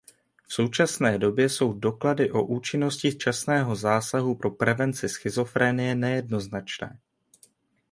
V současné době jsou doklady o účinnosti časného zásahu pro prevenci schizofrenie nejednoznačné.